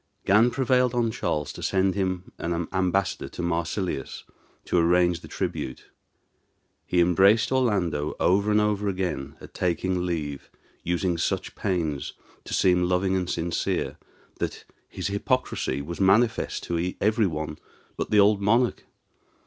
Gan prevailed on Charles to send him as ambassador to Marsilius, to arrange the tribute. He embraced Orlando over and over again at taking leave, using such pains to seem loving and sincere, that his hypocrisy was manifest to every one but the old monarch.